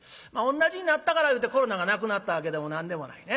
同じになったからいうてコロナがなくなったわけでも何でもない。